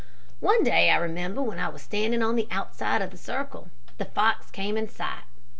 "One day, I remember, when I was standing on the outside of the circle, the fox came in sight.